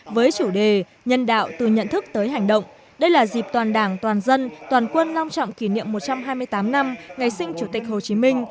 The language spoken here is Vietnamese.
với chủ đề nhân đạo từ nhận thức tới hành động đây là dịp toàn đảng toàn dân toàn quân long trọng kỷ niệm một trăm hai mươi tám năm ngày sinh chủ tịch hồ chí minh